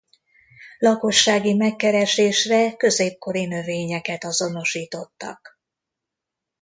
Lakossági megkeresésre középkori növényeket azonosítottak.